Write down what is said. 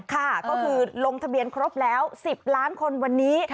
ค่ะก็คือลงทะเบียนครบแล้ว๑๐ล้านคนวันนี้